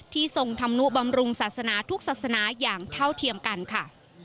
ทรงธรรมนุบำรุงศาสนาทุกศาสนาอย่างเท่าเทียมกันค่ะ